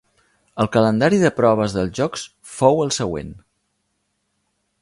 El calendari de proves dels Jocs fou el següent.